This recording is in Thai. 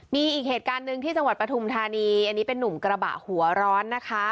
มีอีกเหตุการณ์หนึ่งที่จังหวัดปฐุมธานีอันนี้เป็นนุ่มกระบะหัวร้อนนะคะ